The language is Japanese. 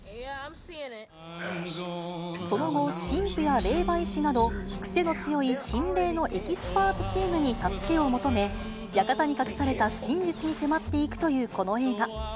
その後、神父や霊媒師など、癖の強い神霊のエキスパートチームに助けを求め、館に隠された真実に迫っていくというこの映画。